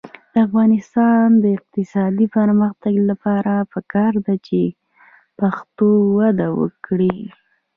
د افغانستان د اقتصادي پرمختګ لپاره پکار ده چې پښتو وده وکړي.